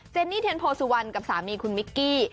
เนนี่เทียนโพสุวรรณกับสามีคุณมิกกี้